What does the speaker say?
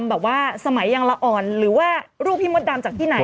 แบบว่าสมัยยังละอ่อนหรือว่ารูปพี่มดดำจากที่ไหน